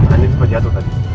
andin suka jatuh tadi